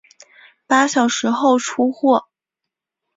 八小时后出货